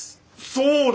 そうだ！